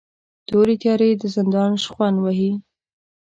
تورې تیارې د زندان شخوند وهي